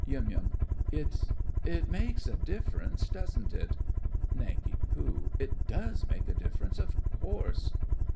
YUM. It—it makes a difference, doesn't it? NANK. It does make a difference, of course.